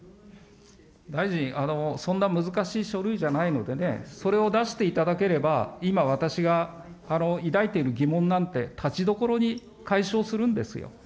大臣、そんな難しい書類じゃないのでね、それを出していただければ、今、私が抱いている疑問なんて、たちどころに解消するんですよ。